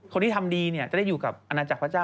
คนที่ทำดีจะได้อยู่กับอาณาจักรพระเจ้า